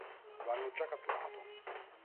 Lo hanno già catturato.